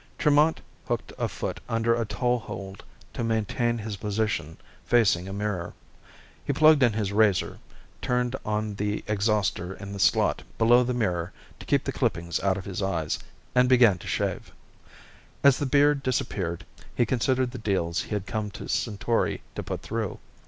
Tremont hooked a foot under a toehold to maintain his position facing a mirror. He plugged in his razor, turned on the exhauster in the slot below the mirror to keep the clippings out of his eyes, and began to shave. As the beard disappeared, he considered the deals he had come to Centauri to put through.